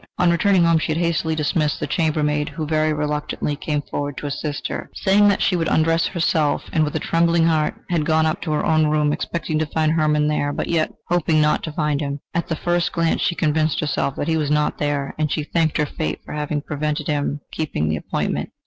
On returning home, she had hastily dismissed the chambermaid who very reluctantly came forward to assist her, saying that she would undress herself, and with a trembling heart had gone up to her own room, expecting to find Hermann there, but yet hoping not to find him. At the first glance she convinced herself that he was not there, and she thanked her fate for having prevented him keeping the appointment.